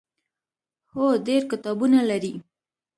هو، ډیر کتابونه لري